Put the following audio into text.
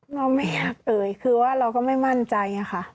เราไม่อยากเอ่ยคือว่าเราก็ไม่มั่นใจค่ะ